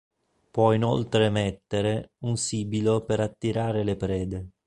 Può inoltre emettere un sibilo per attirare le prede.